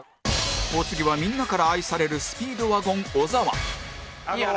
お次はみんなから愛されるスピードワゴン小沢いい話？